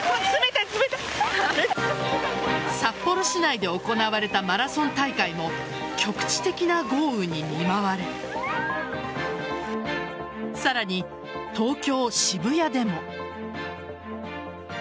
札幌市内で行われたマラソン大会も局地的な豪雨に見舞われさらに東京・渋谷でも。